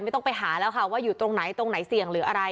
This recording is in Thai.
ไม่ต้องไปหาแล้วค่ะว่าอยู่ตรงไหนตรงไหนเสี่ยงหรืออะไร